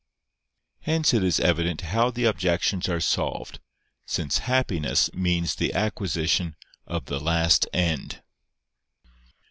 Hence it is evident how the objections are solved: since happiness means the acquisition of the last end.